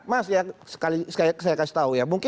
mas saya kasih tahu ya